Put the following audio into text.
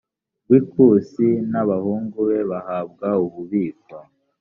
rw ikusi n abahungu be bahabwa ububiko